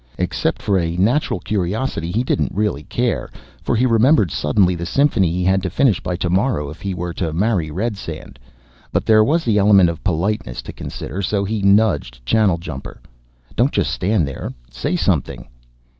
Except for a natural curiosity, he didn't really care, for he remembered suddenly the symphony he had to finish by tomorrow if he were to marry Redsand. But there was the element of politeness to consider, so he nudged Channeljumper. "Don't just stand there, say something!"